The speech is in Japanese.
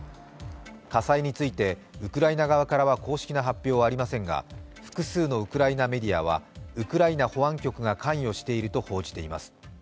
火災について、ウクライナ側からは公式な発表はありませんが複数のウクライナメディアはウクライナ保安局が関与していると報じています。